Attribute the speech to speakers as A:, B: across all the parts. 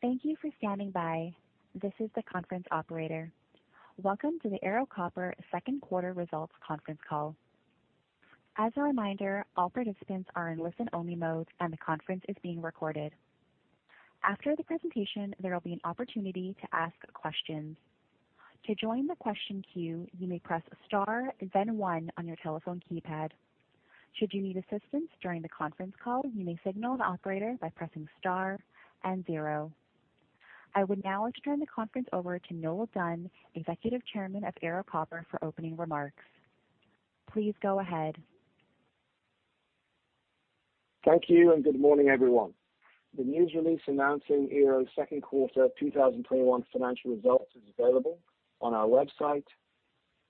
A: Thank you for standing by. This is the conference operator. Welcome to the Ero Copper second quarter results conference call. As a reminder, all participants are in listen-only mode and the conference is being recorded. After the presentation, there will be an opportunity to ask questions. To join the question queue, you may press star and the one on your telephone keypad. Should you need assistance during the conference call, you may signal an operator by pressing star and zero. I would now like to turn the conference over to Noel Dunn, Executive Chairman of Ero Copper, for opening remarks. Please go ahead.
B: Thank you, good morning, everyone. The news release announcing Ero's second quarter 2021 financial results is available on our website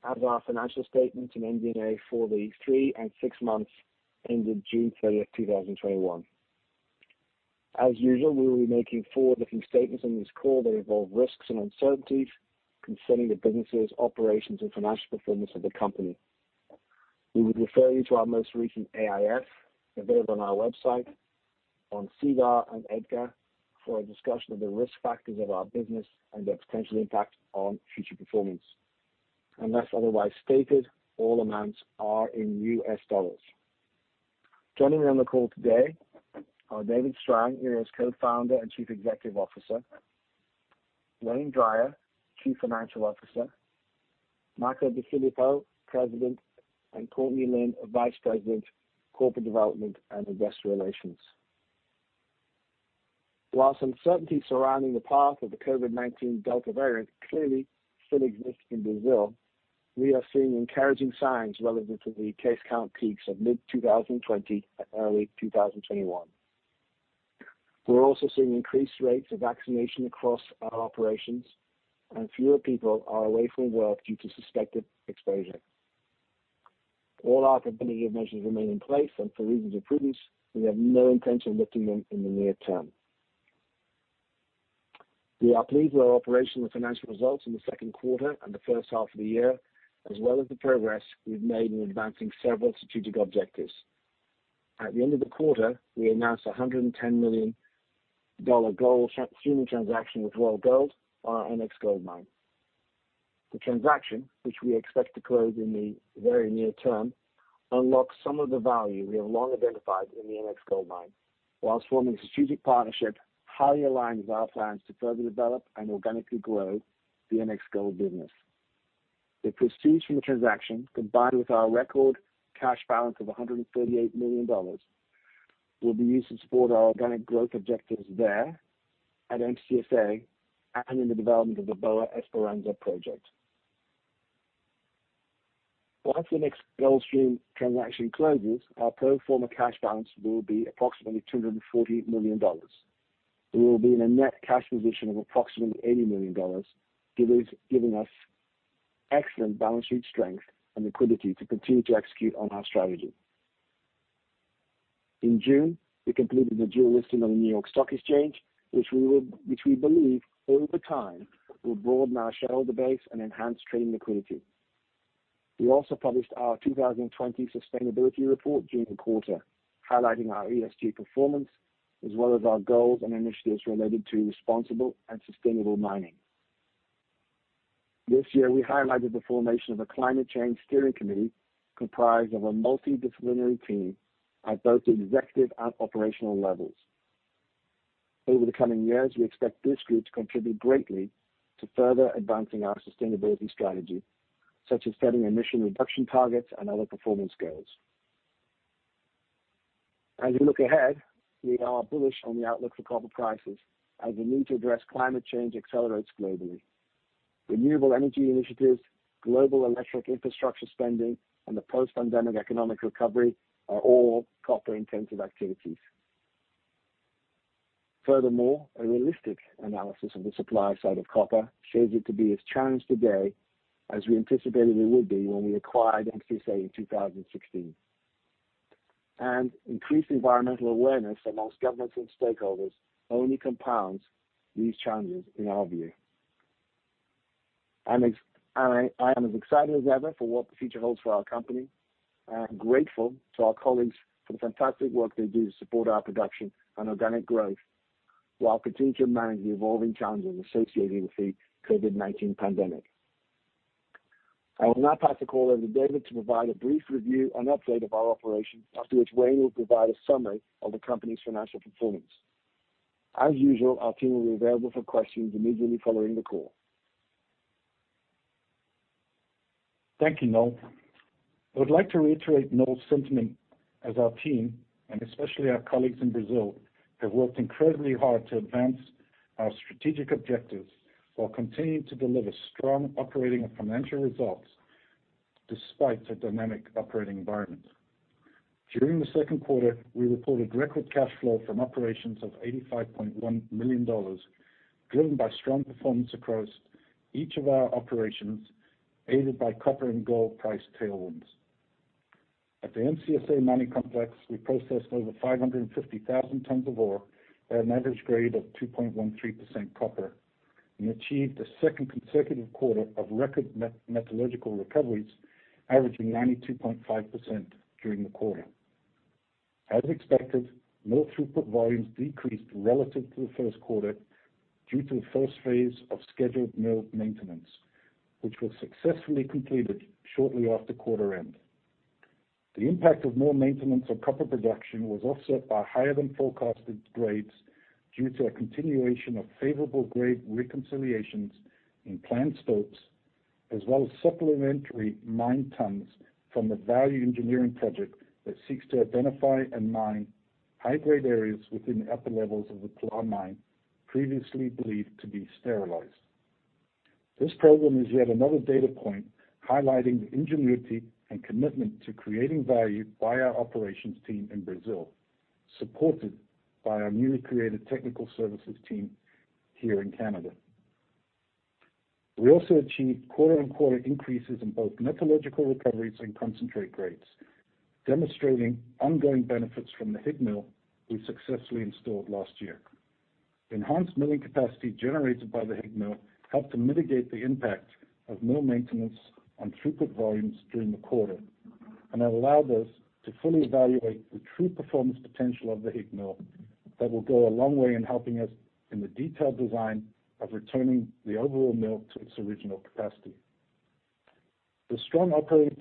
B: as are financial statements and MD&A for the three and six months ended June 30th, 2021. As usual, we will be making forward-looking statements on this call that involve risks and uncertainties concerning the businesses, operations, and financial performance of the company. We would refer you to our most recent AIF available on our website, on SEDAR, and EDGAR for a discussion of the risk factors of our business and their potential impact on future performance. Unless otherwise stated, all amounts are in US dollars. Joining me on the call today are David Strang, Ero's Co-founder and Chief Executive Officer, Wayne Drier, Chief Financial Officer, Makko DeFilippo, President, and Courtney Lynn, Vice President, Corporate Development and Investor Relations. While some uncertainty surrounding the path of the COVID-19 Delta variant clearly still exists in Brazil, we are seeing encouraging signs relevant to the case count peaks of mid-2020 and early 2021. We're also seeing increased rates of vaccination across our operations, and fewer people are away from work due to suspected exposure. All our company measures remain in place, and for reasons of prudence, we have no intention of lifting them in the near term. We are pleased with our operational and financial results in the second quarter and the first half of the year, as well as the progress we've made in advancing several strategic objectives. At the end of the quarter, we announced a $110 million gold streaming transaction with Royal Gold on our NX Gold mine. The transaction, which we expect to close in the very near term, unlocks some of the value we have long identified in the NX Gold mine whilst forming a strategic partnership highly aligned with our plans to further develop and organically grow the NX Gold business. The proceeds from the transaction, combined with our record cash balance of $138 million, will be used to support our organic growth objectives there at MCSA and in the development of the Boa Esperança project. Once the NX Gold Stream transaction closes, our pro forma cash balance will be approximately $240 million. We will be in a net cash position of approximately $80 million, giving us excellent balance sheet strength and liquidity to continue to execute on our strategy. In June, we completed the dual listing on the New York Stock Exchange, which we believe over time will broaden our shareholder base and enhance trading liquidity. We also published our 2020 sustainability report during the quarter, highlighting our ESG performance as well as our goals and initiatives related to responsible and sustainable mining. This year, we highlighted the formation of a climate change steering committee comprised of a multidisciplinary team at both executive and operational levels. Over the coming years, we expect this group to contribute greatly to further advancing our sustainability strategy, such as setting emission reduction targets and other performance goals. As we look ahead, we are bullish on the outlook for copper prices as the need to address climate change accelerates globally. Renewable energy initiatives, global electric infrastructure spending, and the post-pandemic economic recovery are all copper-intensive activities. Furthermore, a realistic analysis of the supply side of copper shows it to be as challenged today as we anticipated it would be when we acquired MCSA in 2016. Increased environmental awareness amongst governments and stakeholders only compounds these challenges in our view. I am as excited as ever for what the future holds for our company, and I'm grateful to our colleagues for the fantastic work they do to support our production and organic growth while continuing to manage the evolving challenges associated with the COVID-19 pandemic. I will now pass the call over to David to provide a brief review and update of our operations, after which Wayne will provide a summary of the company's financial performance. As usual, our team will be available for questions immediately following the call.
C: Thank you, Noel. I would like to reiterate Noel's sentiment as our team, and especially our colleagues in Brazil, have worked incredibly hard to advance our strategic objectives while continuing to deliver strong operating and financial results despite the dynamic operating environment. During the second quarter, we reported record cash flow from operations of $85.1 million, driven by strong performance across each of our operations, aided by copper and gold price tailwinds. At the MCSA mining complex, we processed over 550,000 tonnes of ore at an average grade of 2.13% copper. We achieved a second consecutive quarter of record metallurgical recoveries, averaging 92.5% during the quarter. As expected, mill throughput volumes decreased relative to the first quarter due to the first phase of scheduled mill maintenance, which was successfully completed shortly after quarter end. The impact of mill maintenance on copper production was offset by higher than forecasted grades due to a continuation of favorable grade reconciliations in planned stopes, as well as supplementary mined tons from a value engineering project that seeks to identify and mine high-grade areas within the upper levels of the Pilar mine, previously believed to be sterilized. This program is yet another data point highlighting the ingenuity and commitment to creating value by our operations team in Brazil, supported by our newly created technical services team here in Canada. We also achieved quarter-on-quarter increases in both metallurgical recoveries and concentrate grades, demonstrating ongoing benefits from the HIG Mill we successfully installed last year. Enhanced milling capacity generated by the HIG Mill helped to mitigate the impact of mill maintenance on throughput volumes during the quarter. It allowed us to fully evaluate the true performance potential of the HIG Mill that will go a long way in helping us in the detailed design of returning the overall mill to its original capacity. The strong operating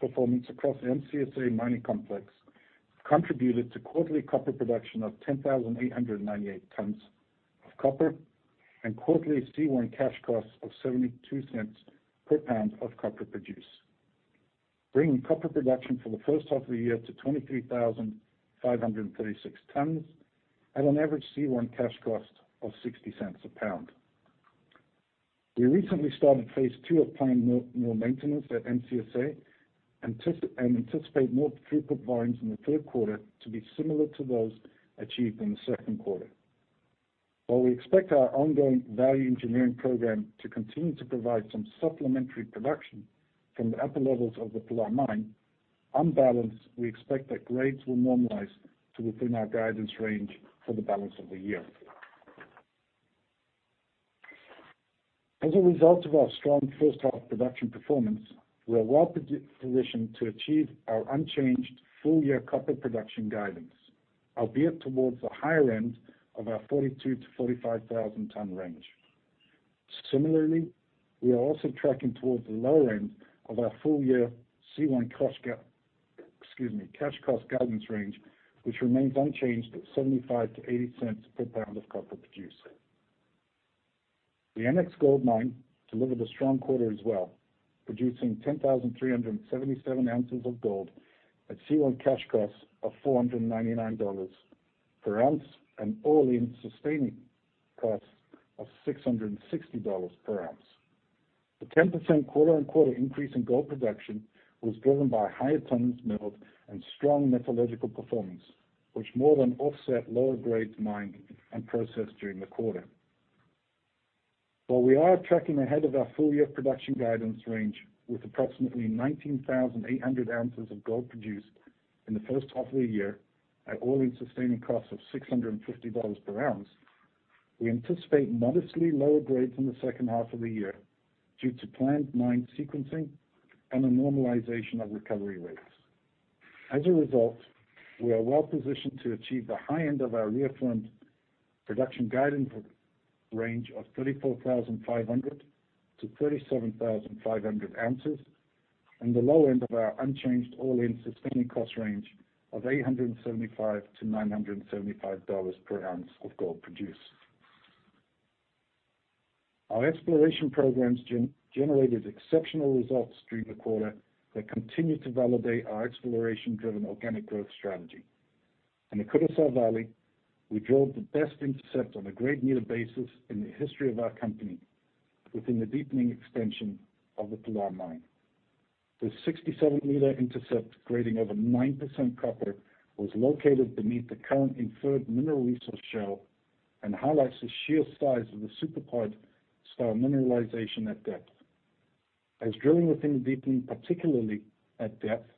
C: performance across the MCSA mining complex contributed to quarterly copper production of 10,898 tons of copper and quarterly C1 cash costs of $0.72 per pound of copper produced, bringing copper production for the first half of the year to 23,536 tons at an average C1 cash cost of $0.60 a pound. We recently started phase two of planned mill maintenance at MCSA and anticipate mill throughput volumes in the third quarter to be similar to those achieved in the second quarter. While we expect our ongoing value engineering program to continue to provide some supplementary production from the upper levels of the Pilar Mine, on balance, we expect that grades will normalize to within our guidance range for the balance of the year. As a result of our strong first-half production performance, we are well-positioned to achieve our unchanged full-year copper production guidance, albeit towards the higher end of our 42,000-45,000 ton range. Similarly, we are also tracking towards the lower end of our full-year C1 cash cost guidance range, which remains unchanged at $0.75-$0.80 per pound of copper produced. The NX Gold Mine delivered a strong quarter as well, producing 10,377 ounces of gold at C1 cash costs of $499 per ounce and all-in sustaining costs of $660 per ounce. The 10% quarter-on-quarter increase in gold production was driven by higher tons milled and strong metallurgical performance, which more than offset lower grades mined and processed during the quarter. While we are tracking ahead of our full year production guidance range with approximately 19,800 ounces of gold produced in the first half of the year at all-in sustaining costs of $650 per ounce, we anticipate modestly lower grades in the second half of the year due to planned mine sequencing and a normalization of recovery rates. As a result, we are well-positioned to achieve the high end of our reaffirmed production guidance range of 34,500 to 37,500 ounces, and the low end of our unchanged all-in sustaining cost range of $875-$975 per ounce of gold produced. Our exploration programs generated exceptional results during the quarter that continue to validate our exploration-driven organic growth strategy. In the Curaçá Valley, we drilled the best intercept on a grade-meter basis in the history of our company within the deepening extension of the Pilar mine. This 67-meter intercept grading over 9% copper was located beneath the current inferred mineral resource shell and highlights the sheer size of the Superpod style mineralization at depth. As drilling within the deepening, particularly at depth,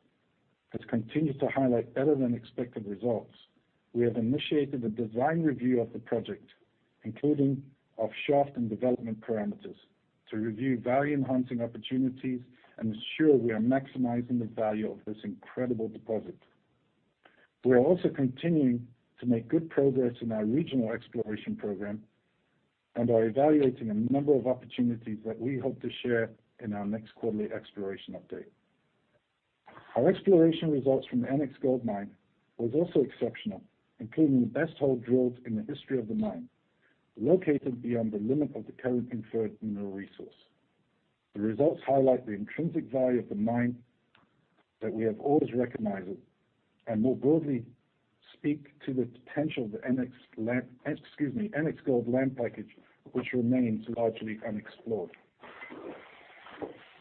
C: has continued to highlight better than expected results, we have initiated a design review of the project, including of shaft and development parameters, to review value-enhancing opportunities and ensure we are maximizing the value of this incredible deposit. We are also continuing to make good progress in our regional exploration program and are evaluating a number of opportunities that we hope to share in our next quarterly exploration update. Our exploration results from the NX Gold Mine was also exceptional, including the best hole drilled in the history of the mine, located beyond the limit of the current inferred mineral resource. The results highlight the intrinsic value of the mine that we have always recognized and more broadly speak to the potential of the NX gold land package, which remains largely unexplored.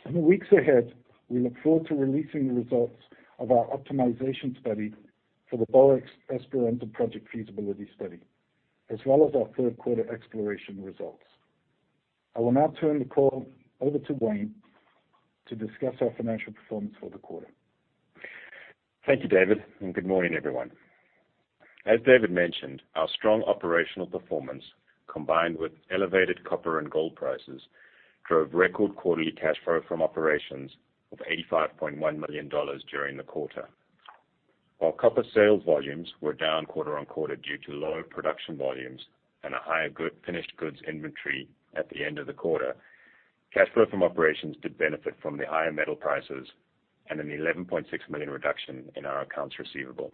C: In the weeks ahead, we look forward to releasing the results of our optimization study for the Boa Esperança Project feasibility study, as well as our third quarter exploration results. I will now turn the call over to Wayne to discuss our financial performance for the quarter.
D: Thank you, David, and good morning, everyone. As David mentioned, our strong operational performance, combined with elevated copper and gold prices, drove record quarterly cash flow from operations of $85.1 million during the quarter. While copper sales volumes were down quarter-on-quarter due to lower production volumes and a higher finished goods inventory at the end of the quarter, cash flow from operations did benefit from the higher metal prices and a $11.6 million reduction in our accounts receivable.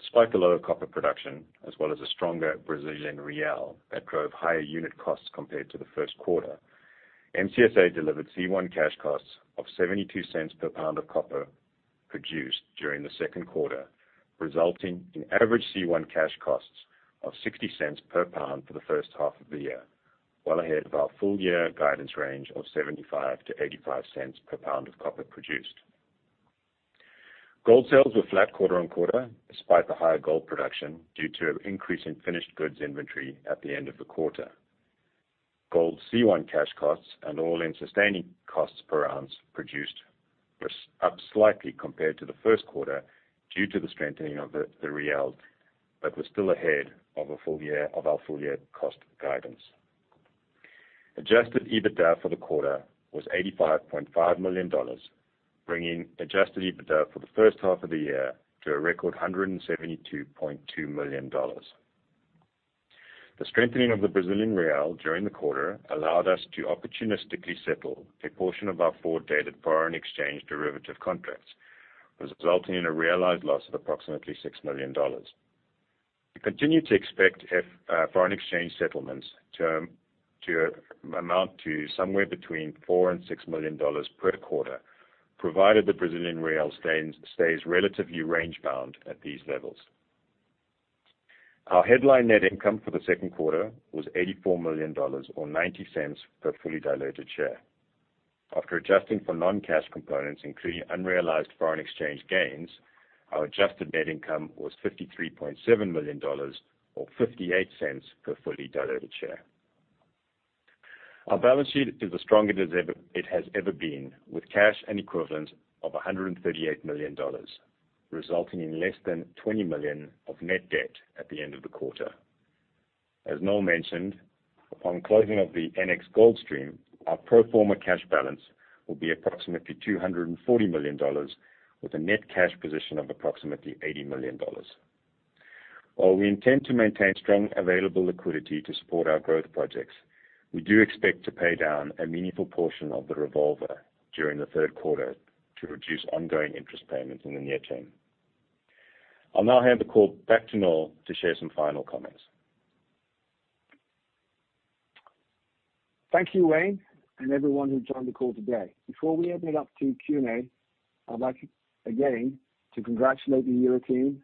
D: Despite the lower copper production, as well as a stronger Brazilian real that drove higher unit costs compared to the first quarter, MCSA delivered C1 cash costs of $0.72 per pound of copper produced during the second quarter, resulting in average C1 cash costs of $0.60 per pound for the first half of the year, well ahead of our full-year guidance range of $0.75-$0.85 per pound of copper produced. Gold sales were flat quarter-on-quarter, despite the higher gold production, due to an increase in finished goods inventory at the end of the quarter. Gold C1 cash costs and all-in sustaining costs per ounce produced were up slightly compared to the first quarter due to the strengthening of the real, but were still ahead of our full-year cost guidance. Adjusted EBITDA for the quarter was $85.5 million, bringing adjusted EBITDA for the first half of the year to a record $172.2 million. The strengthening of the Brazilian real during the quarter allowed us to opportunistically settle a portion of our forward dated foreign exchange derivative contracts, resulting in a realized loss of approximately $6 million. We continue to expect foreign exchange settlements to amount to somewhere between $4 million-$6 million per quarter, provided the Brazilian real stays relatively range bound at these levels. Our headline net income for the second quarter was $84 million, or $0.90 per fully diluted share. After adjusting for non-cash components, including unrealized foreign exchange gains, our adjusted net income was $53.7 million, or $0.58 per fully diluted share. Our balance sheet is as strong as it has ever been, with cash and equivalent of $138 million, resulting in less than $20 million of net debt at the end of the quarter. As Noel mentioned, upon closing of the NX Gold Stream, our pro forma cash balance will be approximately $240 million, with a net cash position of approximately $80 million. While we intend to maintain strong available liquidity to support our growth projects, we do expect to pay down a meaningful portion of the revolver during the third quarter to reduce ongoing interest payments in the near term. I'll now hand the call back to Noel to share some final comments.
B: Thank you, Wayne, and everyone who joined the call today. Before we open it up to Q&A, I'd like, again, to congratulate the year team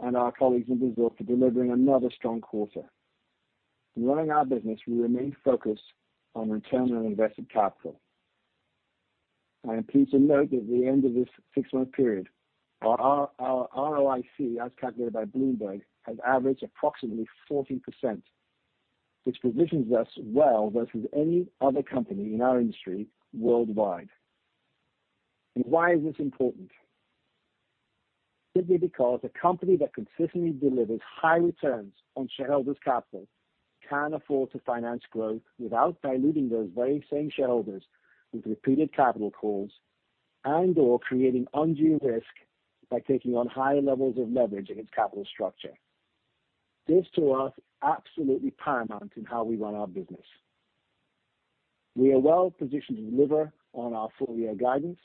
B: and our colleagues in Brazil for delivering another strong quarter. Running our business, we remain focused on return on invested capital. I am pleased to note that at the end of this 6-month period, our ROIC, as calculated by Bloomberg, has averaged approximately 40%, which positions us well versus any other company in our industry worldwide. Why is this important? Simply because a company that consistently delivers high returns on shareholders' capital can afford to finance growth without diluting those very same shareholders with repeated capital calls and/or creating undue risk by taking on higher levels of leverage against capital structure. This, to us, is absolutely paramount in how we run our business.
C: We are well positioned to deliver on our full-year guidance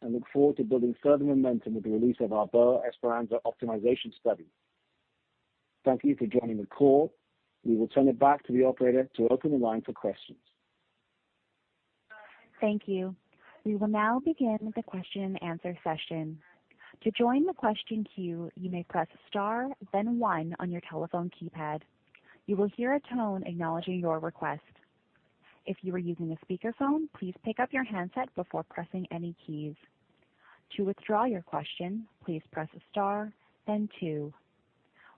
C: and look forward to building further momentum with the release of our Boa Esperança optimization study. Thank you for joining the call. We will turn it back to the operator to open the line for questions.
A: Thank you. We will now begin the question and answer session. To join the question queue, you may press star then one on your telephone keypad. You will hear a tone acknowledging your request. If you are using a speakerphone, please pick up your handset before pressing any keys, to withdraw your question please press star then two.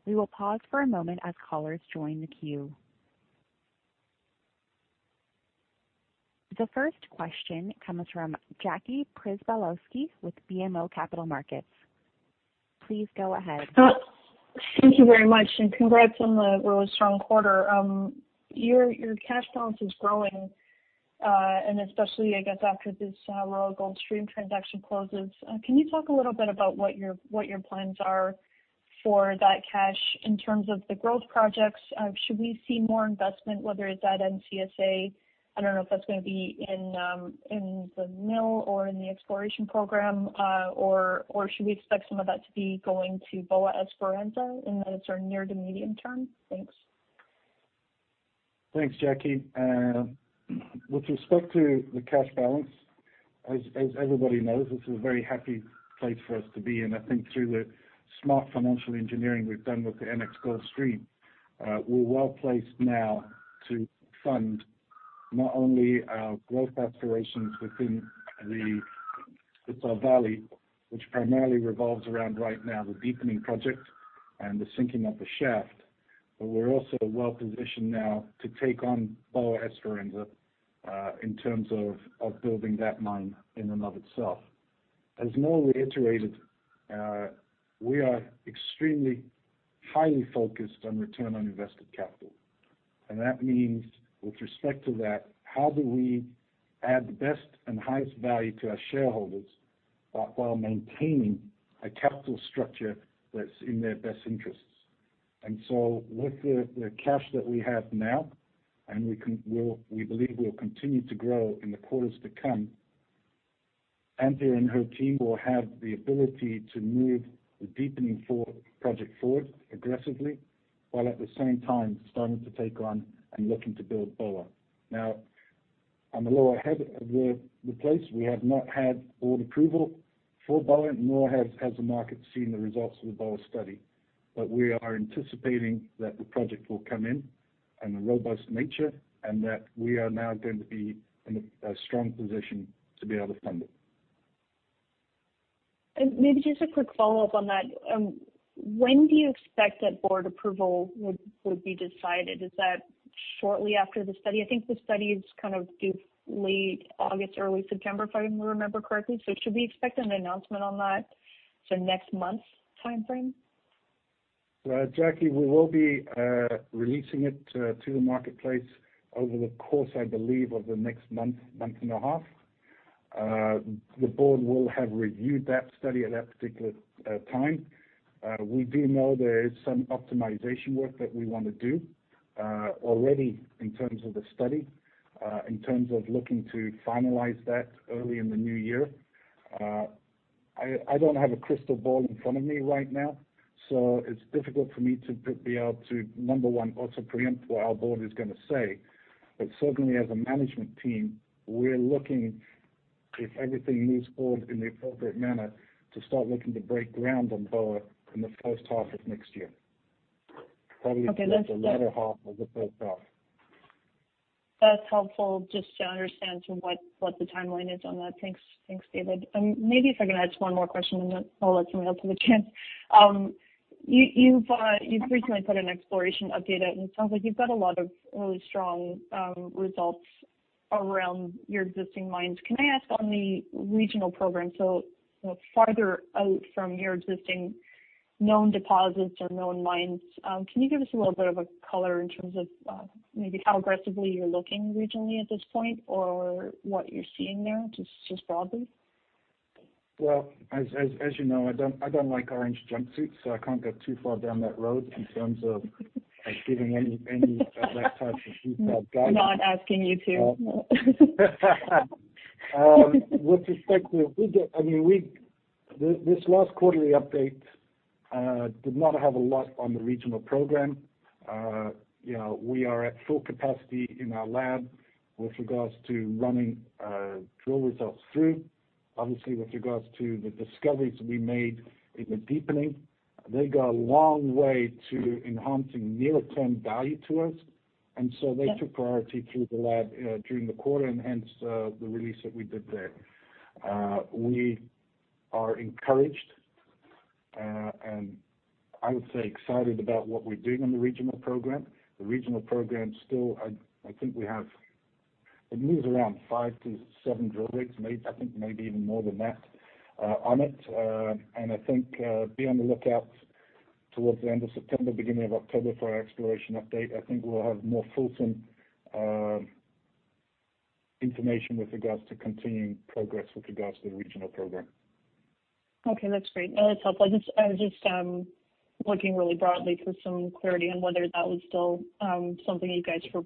A: We will pause for a moment as callers join the queue. The first question comes from Jackie Przybylowski with BMO Capital Markets. Please go ahead.
E: Thank you very much. Congrats on the really strong quarter. Your cash balance is growing, especially, I guess, after this Royal Gold Stream transaction closes. Can you talk a little bit about what your plans are for that cash in terms of the growth projects? Should we see more investment, whether it's at MCSA? I don't know if that's going to be in the mill or in the exploration program, or should we expect some of that to be going to Boa Esperança in the sort of near to medium term? Thanks.
C: Thanks, Jackie. With respect to the cash balance, as everybody knows, this is a very happy place for us to be in. I think through the smart financial engineering we've done with the NX Gold Stream, we're well-placed now to fund not only our growth aspirations within the Pilar Valley, which primarily revolves around right now the deepening project and the sinking of the shaft. We're also well-positioned now to take on Boa Esperança in terms of building that mine in and of itself. As Noel reiterated, we are extremely highly focused on return on invested capital. That means with respect to that, how do we add the best and highest value to our shareholders while maintaining a capital structure that's in their best interests? With the cash that we have now, and we believe will continue to grow in the quarters to come, Anthea and her team will have the ability to move the deepening project forward aggressively, while at the same time starting to take on and looking to build Boa. We have not had board approval for Boa, nor has the market seen the results of the Boa study. We are anticipating that the project will come in in a robust nature, and that we are now going to be in a strong position to be able to fund it.
E: Maybe just a quick follow-up on that. When do you expect that board approval would be decided? Is that shortly after the study? I think the study is due late August, early September, if I remember correctly. Should we expect an announcement on that sort of next month's timeframe?
C: Jackie, we will be releasing it to the marketplace over the course, I believe, of the next month and a half. The board will have reviewed that study at that particular time. We do know there is some optimization work that we want to do already in terms of the study, in terms of looking to finalize that early in the new year. I don't have a crystal ball in front of me right now, so it's difficult for me to be able to, number one, also preempt what our board is going to say. Certainly as a management team, we're looking if everything moves forward in the appropriate manner, to start looking to break ground on Boa in the first half of next year.
E: Okay.
C: Probably towards the latter half of the first half.
E: That's helpful just to understand what the timeline is on that. Thanks, David. Maybe if I can add just one more question, and then I'll let somebody else have a chance. You've recently put an exploration update out, and it sounds like you've got a lot of really strong results around your existing mines. Can I ask on the regional program, so farther out from your existing known deposits or known mines, can you give us a little bit of color in terms of maybe how aggressively you're looking regionally at this point, or what you're seeing there, just broadly?
C: Well, as you know, I don't like orange jumpsuits. I can't go too far down that road in terms of giving any of that type of detail guidance.
E: Not asking you to.
C: With respect to this last quarterly update did not have a lot on the regional program. We are at full capacity in our lab with regards to running drill results through. Obviously, with regards to the discoveries we made in the deepening, they go a long way to enhancing near-term value to us. So they took priority through the lab during the quarter and hence the release that we did there. We are encouraged, and I would say excited about what we're doing on the regional program. The regional program still, I think we have around 5-7 drill rigs, I think maybe even more than that on it. I think be on the lookout towards the end of September, beginning of October for our exploration update. I think we'll have more fulsome information with regards to continuing progress with regards to the regional program.
E: Okay, that's great. No, that's helpful. I was just looking really broadly for some clarity on whether that was still something you guys were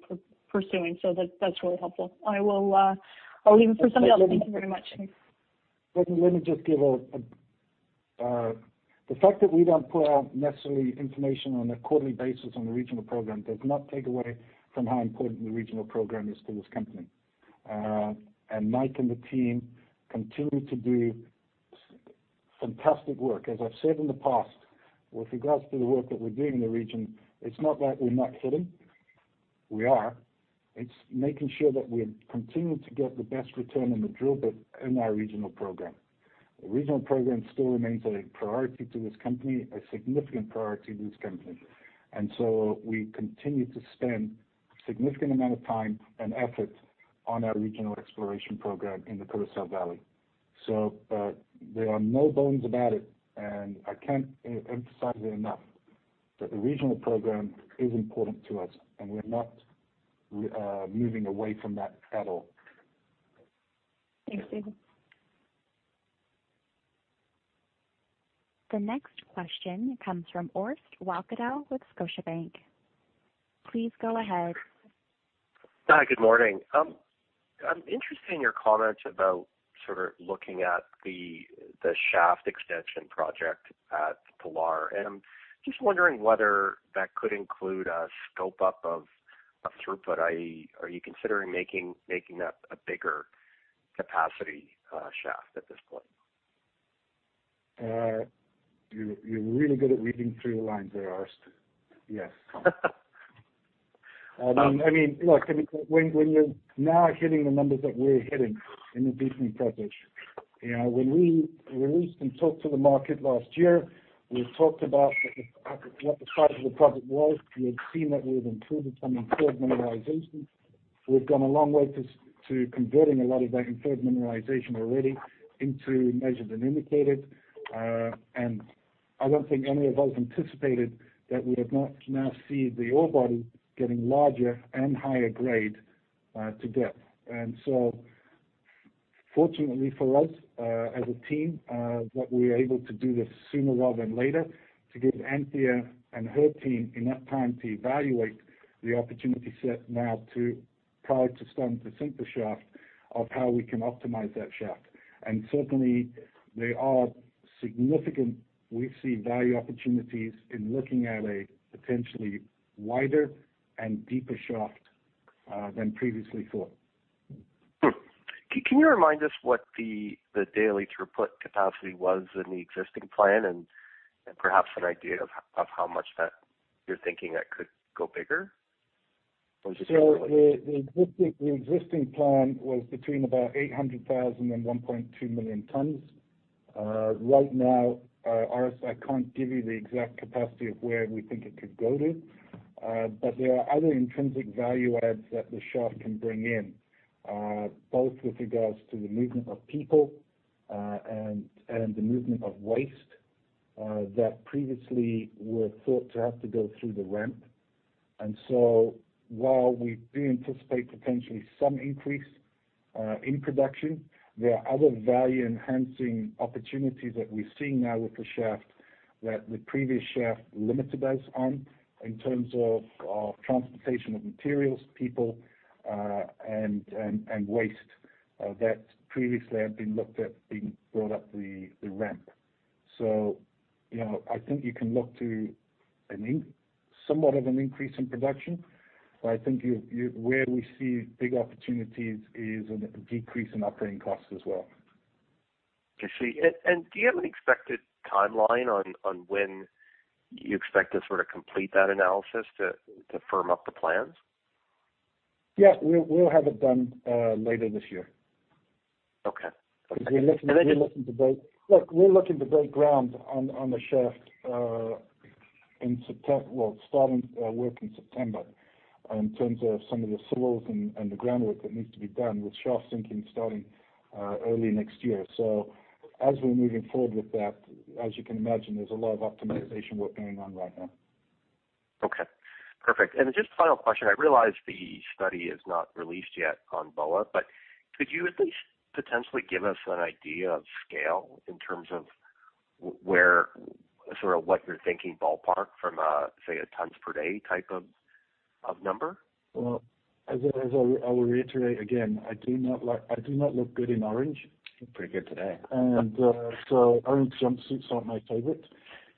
E: pursuing. That's really helpful. I will leave it for somebody else. Thank you very much.
C: The fact that we don't put out necessarily information on a quarterly basis on the regional program does not take away from how important the regional program is to this company. Mike and the team continue to do fantastic work. As I've said in the past, with regards to the work that we're doing in the region, it's not that we're not hitting. We are. It's making sure that we continue to get the best return on the drill bit in our regional program. The regional program still remains a priority to this company, a significant priority to this company. We continue to spend significant amount of time and effort on our regional exploration program in the Curaçá Valley. There are no bones about it, and I can't emphasize it enough that the regional program is important to us and we're not moving away from that at all.
E: Thanks, David.
A: The next question comes from Orest Wowkodaw with Scotiabank. Please go ahead.
F: Hi, good morning. I'm interested in your comments about sort of looking at the shaft extension project at Pilar. I'm just wondering whether that could include a scope-up of throughput, i.e., are you considering making that a bigger capacity shaft at this point?
C: You're really good at reading through the lines there, Orest. Yes. I mean, look, when you're now hitting the numbers that we're hitting in the deepening process, when we released and talked to the market last year, we talked about what the size of the project was. We had seen that we've improved some inferred mineralization. We've gone a long way to converting a lot of that inferred mineralization already into measured and indicated. I don't think any of us anticipated that we would not now see the ore body getting larger and higher grade to depth. Fortunately for us, as a team, what we are able to do this sooner rather than later to give Anthea and her team enough time to evaluate the opportunity set now prior to starting to sink the shaft of how we can optimize that shaft. Certainly, there are significant, we see, value opportunities in looking at a potentially wider and deeper shaft than previously thought.
F: Can you remind us what the daily throughput capacity was in the existing plan and perhaps an idea of how much that you're thinking that could go bigger?
C: The existing plan was between about 800,000 and 1.2 million tons. Right now, Orest, I can't give you the exact capacity of where we think it could go to. There are other intrinsic value adds that the shaft can bring in, both with regards to the movement of people, and the movement of waste, that previously were thought to have to go through the ramp. While we do anticipate potentially some increase in production, there are other value-enhancing opportunities that we're seeing now with the shaft that the previous shaft limited us on in terms of transportation of materials, people, and waste that previously had been looked at being brought up the ramp. I think you can look to somewhat of an increase in production. I think where we see big opportunities is a decrease in operating costs as well.
F: I see. Do you have an expected timeline on when you expect to sort of complete that analysis to firm up the plans?
C: Yeah. We'll have it done later this year.
F: Okay.
C: We're looking to break ground on the shaft in September. Starting work in September in terms of some of the soils and the groundwork that needs to be done with shaft sinking starting early next year. As we're moving forward with that, as you can imagine, there's a lot of optimization work going on right now.
F: Okay. Perfect. Just final question, I realize the study is not released yet on Boa, could you at least potentially give us an idea of scale in terms of where sort of what you're thinking ballpark from a, say, a tons per day type of number?
C: Well, as I will reiterate again, I do not look good in orange.
F: You look pretty good today.
C: Orange jumpsuits aren't my favorite.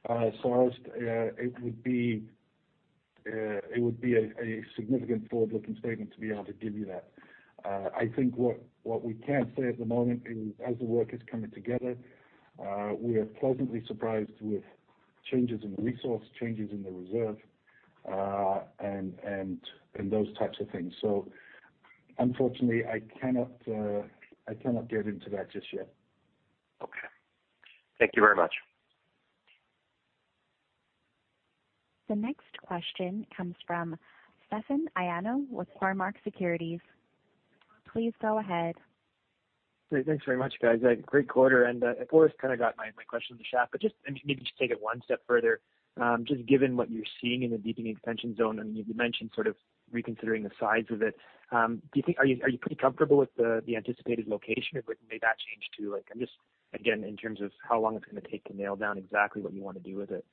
C: Orest, it would be a significant forward-looking statement to be able to give you that. I think what we can say at the moment is as the work is coming together, we are pleasantly surprised with changes in the resource, changes in the reserve, and those types of things. Unfortunately, I cannot get into that just yet.
F: Okay. Thank you very much.
A: The next question comes from Stefan Ioannou with Cormark Securities. Please go ahead.
G: Great. Thanks very much, guys. Great quarter. Orest kind of got my question on the shaft, but just maybe just take it one step further. Just given what you're seeing in the deepening expansion zone, and you mentioned sort of reconsidering the size of it, are you pretty comfortable with the anticipated location or would may that change too? Like, I'm just, again, in terms of how long it's going to take to nail down exactly what you want to do with it.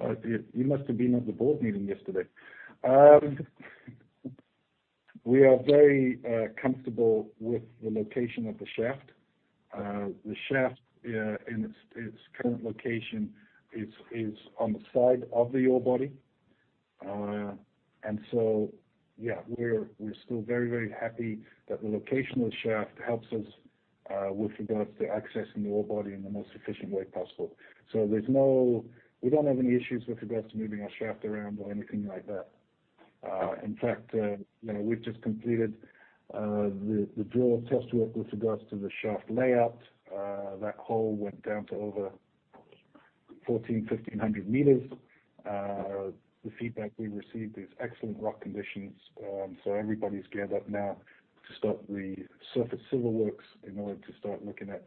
C: You must have been at the board meeting yesterday. We are very comfortable with the location of the shaft. The shaft, in its current location is on the side of the ore body. Yeah, we're still very happy that the location of the shaft helps us, with regards to accessing the ore body in the most efficient way possible. We don't have any issues with regards to moving our shaft around or anything like that. In fact, we've just completed the drill test work with regards to the shaft layout. That hole went down to over 1,400-1,500 meters. The feedback we received is excellent rock conditions. Everybody's geared up now to start the surface civil works in order to start looking at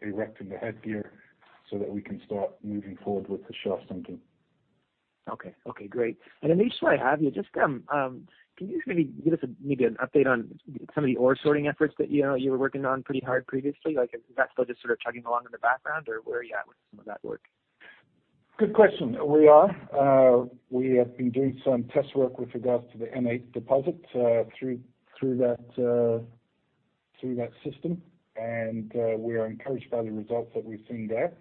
C: erecting the head gear so that we can start moving forward with the shaft sinking.
G: Okay. Great. And Anish, while I have you, can you give us an update on some of the ore sorting efforts that you were working on pretty hard previously? Like, is that still just sort of chugging along in the background, or where are you at with some of that work?
C: Good question. We are. We have been doing some test work with regards to the N8 deposit through that system. We are encouraged by the results that we've seen there.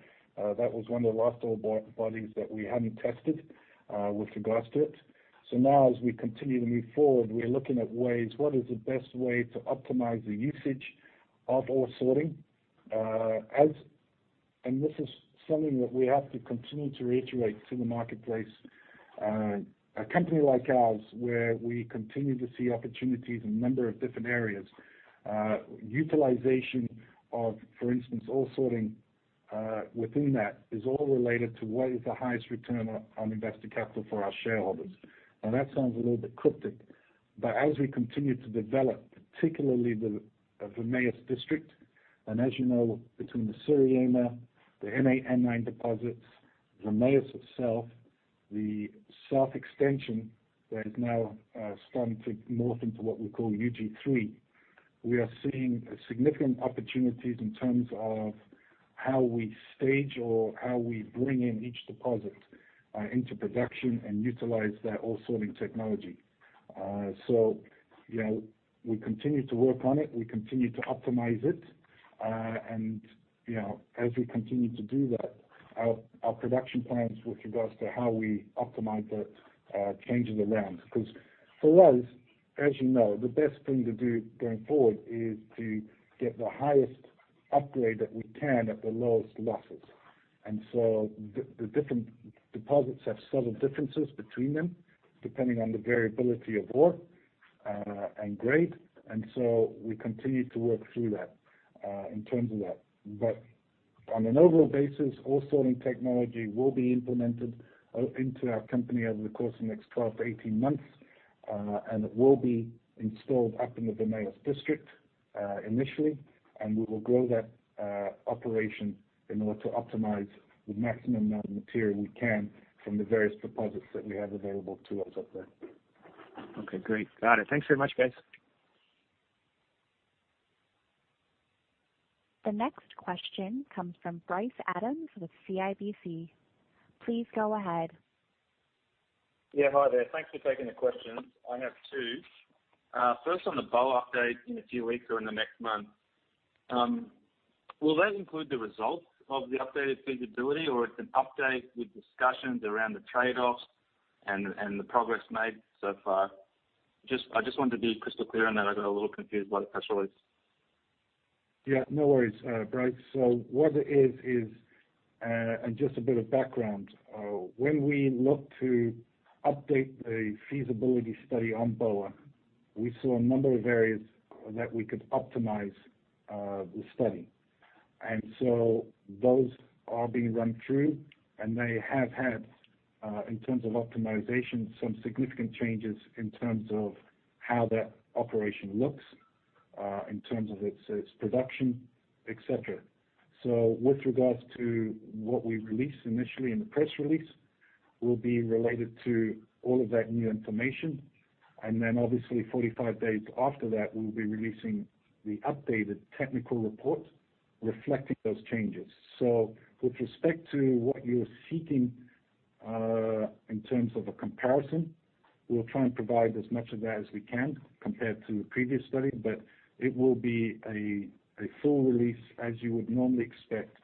C: That was one of the last ore bodies that we hadn't tested, with regards to it. Now as we continue to move forward, we're looking at ways, what is the best way to optimize the usage of ore sorting? This is something that we have to continue to reiterate to the marketplace. A company like ours, where we continue to see opportunities in a number of different areas, utilization of, for instance, ore sorting within that is all related to what is the highest return on invested capital for our shareholders. Now, that sounds a little bit cryptic. As we continue to develop, particularly the Vermelhos District, and as you know, between the Siriema, the MA, N9 deposits, Vermelhos itself, the south extension that is now starting to morph into what we call UG3, we are seeing significant opportunities in terms of how we stage or how we bring in each deposit into production and utilize that ore sorting technology. We continue to work on it, we continue to optimize it. As we continue to do that, our production plans with regards to how we optimize that are changing around, because for us, as you know, the best thing to do going forward is to get the highest upgrade that we can at the lowest losses. The different deposits have subtle differences between them, depending on the variability of ore and grade. We continue to work through that in terms of that. On an overall basis, ore sorting technology will be implemented into our company over the course of the next 12 to 18 months, and it will be installed up in the Vermelhos District initially, and we will grow that operation in order to optimize the maximum amount of material we can from the various deposits that we have available to us up there.
G: Okay, great. Got it. Thanks very much, guys.
A: The next question comes from Bryce Adams with CIBC. Please go ahead.
H: Yeah, hi there. Thanks for taking the questions. I have two. First, on the Boa update in a few weeks or in the next month. Will that include the results of the updated feasibility, or it is an update with discussions around the trade-offs and the progress made so far? I just wanted to be crystal clear on that. I got a little confused by the press release.
C: No worries, Bryce. What it is, and just a bit of background, when we look to update the feasibility study on Boa, we saw a number of areas that we could optimize the study. Those are being run through, and they have had, in terms of optimization, some significant changes in terms of how that operation looks, in terms of its production, et cetera. With regards to what we released initially in the press release will be related to all of that new information. Obviously, 45 days after that, we'll be releasing the updated technical report reflecting those changes. With respect to what you're seeking in terms of a comparison, we'll try and provide as much of that as we can compared to the previous study. It will be a full release, as you would normally expect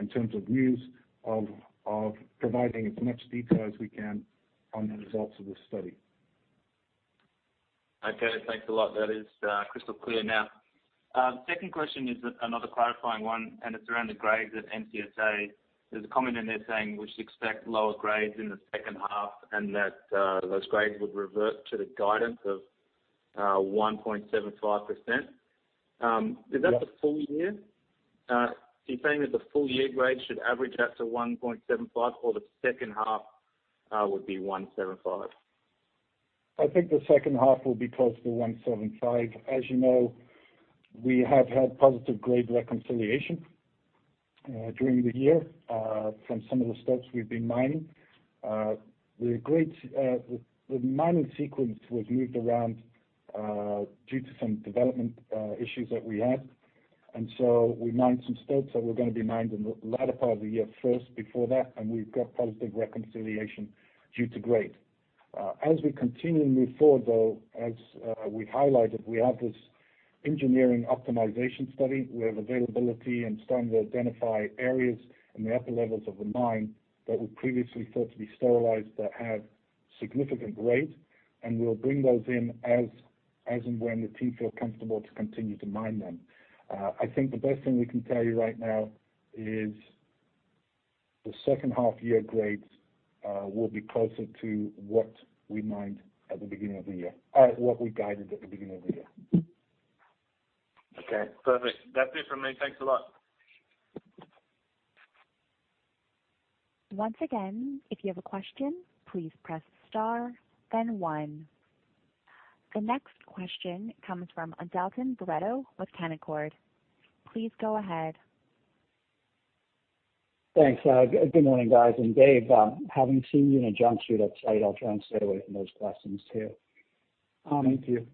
C: in terms of news of providing as much detail as we can on the results of the study.
H: Okay, thanks a lot. That is crystal clear now. Second question is another clarifying one, and it's around the grades at MCSA. There's a comment in there saying we should expect lower grades in the second half and that those grades would revert to the guidance of 1.75%. Is that the full year? Are you saying that the full-year grade should average out to 1.75% or the second half would be 1.75%?
C: I think the second half will be close to 1.75. As you know, we have had positive grade reconciliation during the year from some of the stopes we've been mining. The mining sequence was moved around due to some development issues that we had. So we mined some stopes that were going to be mined in the latter part of the year first before that, and we've got positive reconciliation due to grade. As we continue to move forward, though, as we highlighted, we have this engineering optimization study. We have availability and starting to identify areas in the upper levels of the mine that were previously thought to be sterilized that have significant grade, and we'll bring those in as and when the team feel comfortable to continue to mine them. I think the best thing we can tell you right now is the second half year grades will be closer to what we mined at the beginning of the year, or what we guided at the beginning of the year.
H: Okay, perfect. That's it for me. Thanks a lot.
A: Once again, if you have a question, please press star then one. The next question comes from Dalton Baretto with Canaccord. Please go ahead.
I: Thanks. Good morning, guys. David, having seen you in a jumpsuit at site, I'll try and stay away from those questions, too.
C: Me too.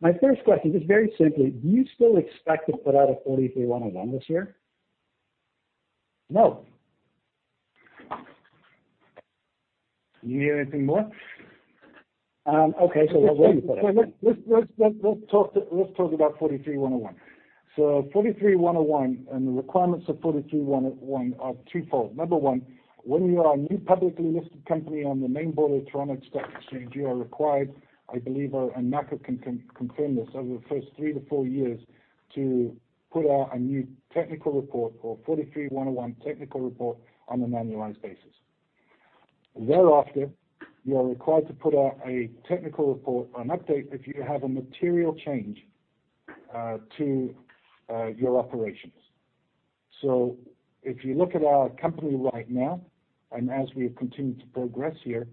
I: My first question, just very simply, do you still expect to put out a 43-101 this year?
C: No. You need anything more?
I: Okay, when will you put it?
C: Let's talk about 43-101. 43-101 and the requirements of 43-101 are twofold. Number one, when you are a new publicly listed company on the main board of Toronto Stock Exchange, you are required, I believe, and Makko can confirm this, over the first two to three years to put out a new technical report or 43-101 technical report on an annualized basis. Thereafter, you are required to put out a technical report or an update if you have a material change to your operations. If you look at our company right now, and as we have continued to progress here,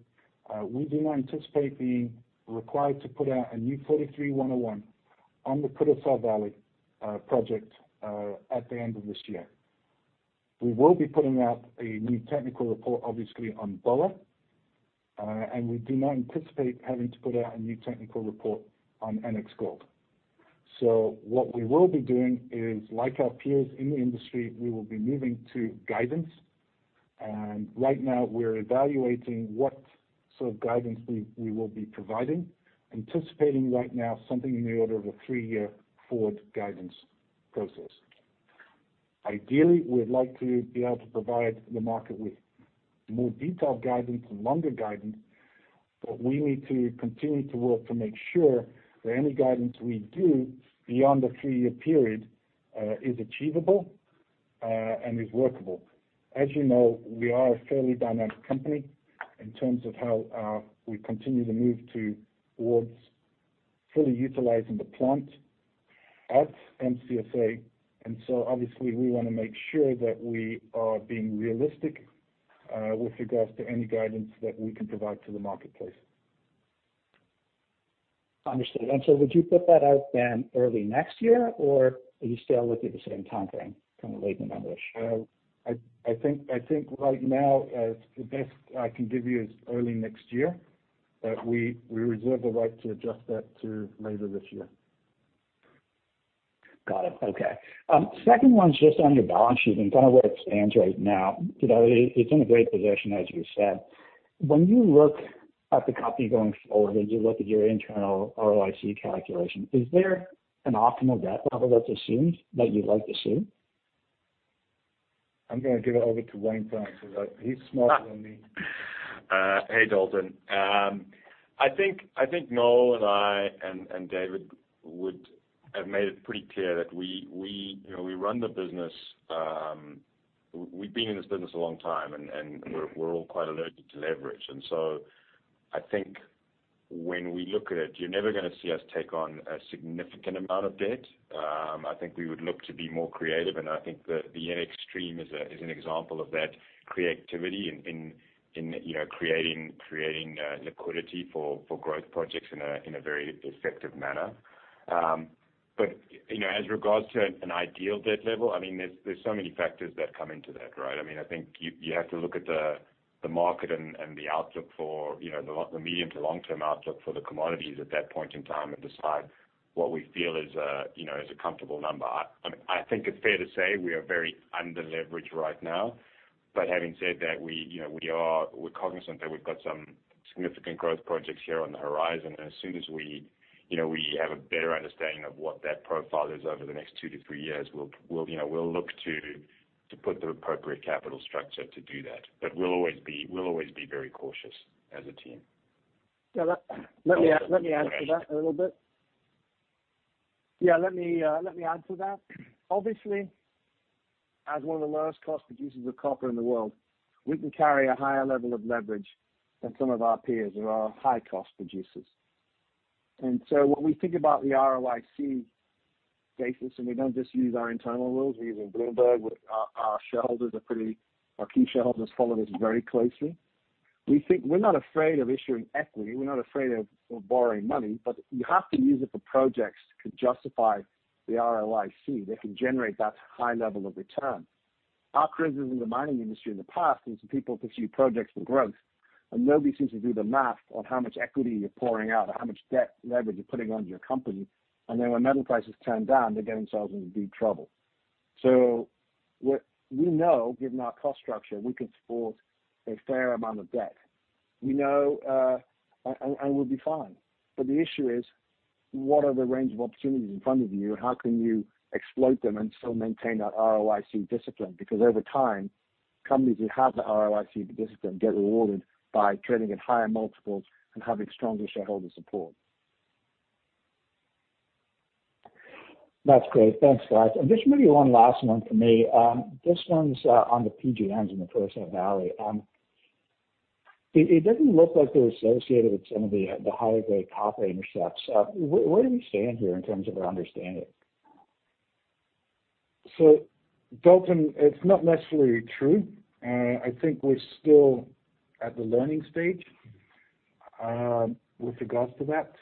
C: we do not anticipate being required to put out a new 43-101 on the Pilar Valley project at the end of this year. We will be putting out a new technical report, obviously, on Boa Esperança, and we do not anticipate having to put out a new technical report on NX Gold. What we will be doing is, like our peers in the industry, we will be moving to guidance. Right now we're evaluating what sort of guidance we will be providing. Anticipating right now something in the order of a three-year forward guidance process. Ideally, we'd like to be able to provide the market with more detailed guidance and longer guidance, but we need to continue to work to make sure that any guidance we do beyond a three-year period, is achievable and is workable. As you know, we are a fairly dynamic company in terms of how we continue to move towards fully utilizing the plant at MCSA. Obviously we want to make sure that we are being realistic with regards to any guidance that we can provide to the marketplace.
I: Understood. Would you put that out then early next year? Are you still looking at the same timeframe, kind of late in the numbers?
C: I think right now, the best I can give you is early next year. We reserve the right to adjust that to later this year.
I: Got it. Okay. Second one's just on your balance sheet and kind of where it stands right now. It's in a great position, as you said. When you look at the copper going forward, as you look at your internal ROIC calculation, is there an optimal debt level that's assumed that you'd like to see?
C: I'm going to give it over to Wayne Drier because he's smarter than me.
D: Hey, Dalton. I think Noel and I and David would have made it pretty clear that we run the business. We've been in this business a long time, and we're all quite allergic to leverage. I think when we look at it, you're never going to see us take on a significant amount of debt. I think we would look to be more creative, and I think the NX stream is an example of that creativity in creating liquidity for growth projects in a very effective manner. As regards to an ideal debt level, there's so many factors that come into that, right? I think you have to look at the market and the outlook for the medium to long-term outlook for the commodities at that point in time and decide what we feel is a comfortable number. I think it's fair to say we are very under-leveraged right now. Having said that, we're cognizant that we've got some significant growth projects here on the horizon. As soon as we have a better understanding of what that profile is over the next two to three years, we'll look to put the appropriate capital structure to do that. We'll always be very cautious as a team.
B: Yeah. Let me add to that a little bit. Obviously, as one of the lowest cost producers of copper in the world, we can carry a higher level of leverage than some of our peers who are high-cost producers. When we think about the ROIC basis, and we don't just use our internal rules, we use Bloomberg, our key shareholders follow this very closely. We're not afraid of issuing equity, we're not afraid of borrowing money, but you have to use it for projects to justify the ROIC that can generate that high level of return. Our criticism in the mining industry in the past is that people pursue projects for growth, and nobody seems to do the math on how much equity you're pouring out or how much debt leverage you're putting onto your company. When metal prices turn down, they get themselves into deep trouble. What we know, given our cost structure, we can support a fair amount of debt, and we'll be fine. The issue is, what are the range of opportunities in front of you and how can you exploit them and still maintain that ROIC discipline? Over time, companies who have the ROIC discipline get rewarded by trading at higher multiples and having stronger shareholder support.
I: That's great. Thanks, guys. Just maybe one last one from me. This one's on the PGMs in the Pilar Valley. It doesn't look like they're associated with some of the higher-grade copper intercepts. Where do we stand here in terms of our understanding?
C: Dalton, it's not necessarily true. I think we're still at the learning stage with regards to that.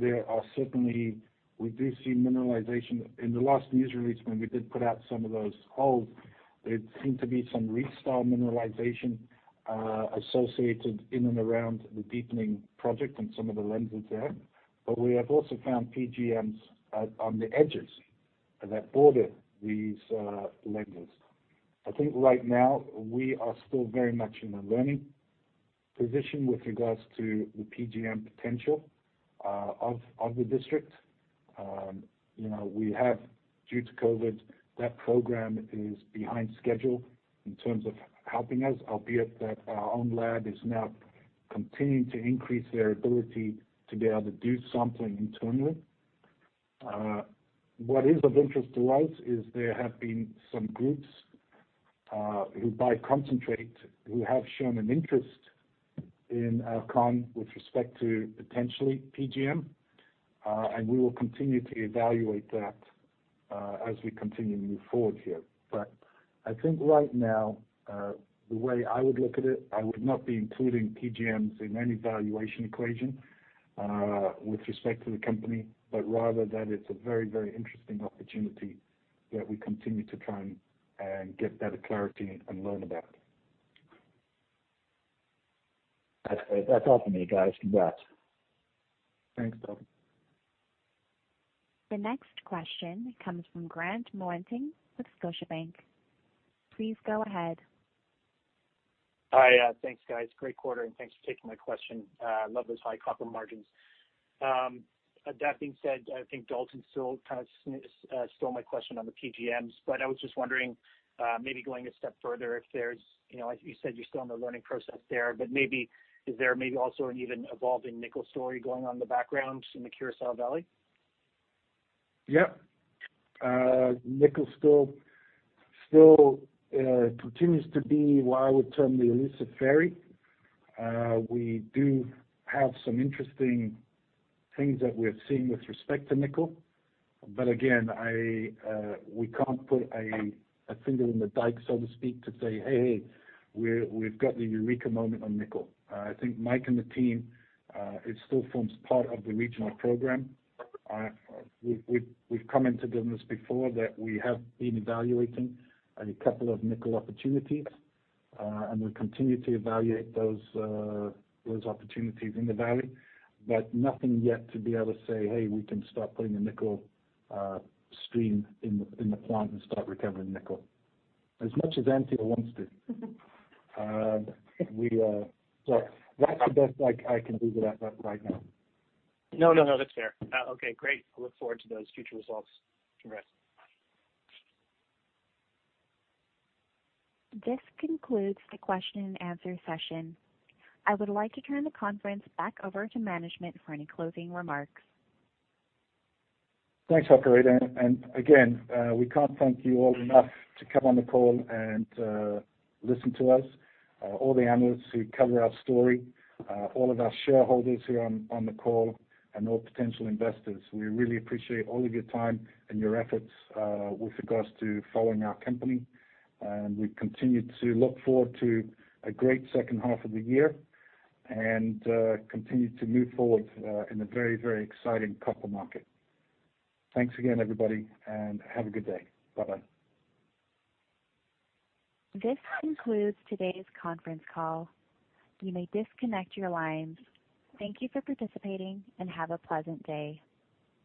C: There are certainly we do see mineralization. In the last news release when we did put out some of those holes, there seemed to be some reef style mineralization associated in and around the deepening project and some of the lenses there. We have also found PGMs on the edges that border these lenses. I think right now we are still very much in a learning position with regards to the PGM potential of the district. We have, due to COVID, that program is behind schedule in terms of helping us, albeit that our own lab is now continuing to increase their ability to be able to do sampling internally. What is of interest to us is there have been some groups who buy concentrate, who have shown an interest in our con with respect to potentially PGM. We will continue to evaluate that as we continue to move forward here. I think right now, the way I would look at it, I would not be including PGMs in any valuation equation with respect to the company, but rather that it's a very interesting opportunity that we continue to try and get better clarity and learn about.
I: That's all for me, guys. Congrats.
C: Thanks, Dalton.
A: The next question comes from Grant Muenting with Scotiabank. Please go ahead.
J: Hi. Thanks, guys. Great quarter, and thanks for taking my question. Love those high copper margins. That being said, I think Dalton still kind of stole my question on the PGMs, but I was just wondering, maybe going a step further, if there's, like you said, you're still in the learning process there, but maybe is there maybe also an even evolving nickel story going on in the background in the Curaçá Valley?
C: Yep. Nickel still continues to be what I would term the elusive fairy. We do have some interesting things that we're seeing with respect to nickel. Again, we can't put a finger in the dike, so to speak, to say, "Hey, we've got the eureka moment on nickel." I think Mike and the team, it still forms part of the regional program. We've commented on this before that we have been evaluating a couple of nickel opportunities, and we continue to evaluate those opportunities in the valley. Nothing yet to be able to say, "Hey, we can start putting a nickel stream in the plant and start recovering nickel." As much as Anita Soni wants to. That's the best I can leave it at right now.
J: No, that's fair. Okay, great. Look forward to those future results. Congrats.
A: This concludes the question and answer session. I would like to turn the conference back over to management for any closing remarks.
C: Thanks, operator. Again, we can't thank you all enough to come on the call and listen to us, all the analysts who cover our story, all of our shareholders who are on the call, and all potential investors. We really appreciate all of your time and your efforts with regards to following our company. We continue to look forward to a great second half of the year, and continue to move forward in a very exciting copper market. Thanks again, everybody, have a good day. Bye-bye.
A: This concludes today's conference call. You may disconnect your lines. Thank you for participating, and have a pleasant day.